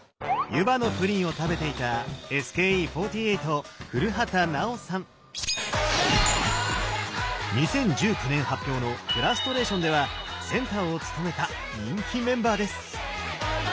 ゆばのプリンを食べていた２０１９年発表の「ＦＲＵＳＴＲＡＴＩＯＮ」ではセンターをつとめた人気メンバーです。